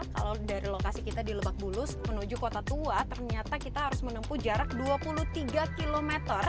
kalau dari lokasi kita di lebak bulus menuju kota tua ternyata kita harus menempuh jarak dua puluh tiga km